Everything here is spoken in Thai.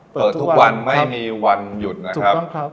เปิดทุกวันไม่มีวันหยุดนะครับ